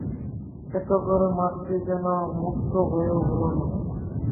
এতে করে মাঠটি যেন মুক্ত হয়েও হলো না।